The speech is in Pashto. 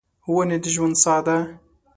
ونې د ژوند ساه ده.